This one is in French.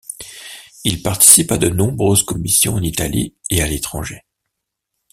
Il participe à de nombreuses commissions en Italie et à l’étranger.